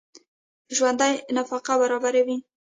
ژوندي نفقه برابروي